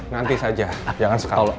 nanti saja jangan sekarang